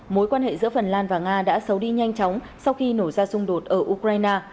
mối quan hệ giữa phần lan và nga đã xấu đi nhanh chóng sau khi nổ ra xung đột ở ukraine